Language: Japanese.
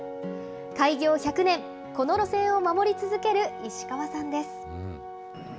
開業１００年、この路線を守り続ける石川さんです。